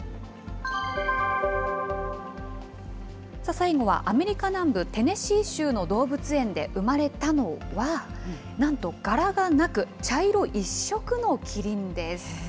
最後は、アメリカ南部テネシー州の動物園で生まれたのは、なんと、柄がなく、茶色一色のキリンです。